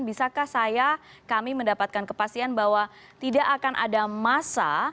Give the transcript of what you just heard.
bisakah saya kami mendapatkan kepastian bahwa tidak akan ada masa